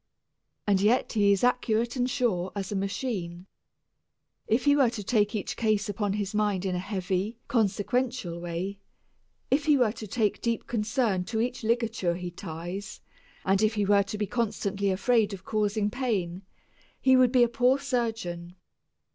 And yet he is accurate and sure as a machine. If he were to take each case upon his mind in a heavy, consequential way, if he were to give deep concern to each ligature he ties, and if he were to be constantly afraid of causing pain, he would be a poor surgeon.